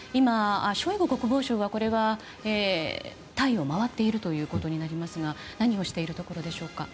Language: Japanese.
ショイグ国防相がこれは隊を回っているところですが何をしているところでしょうか。